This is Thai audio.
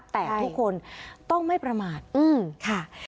แต่ทุกคนต้องไม่ประมาทค่ะ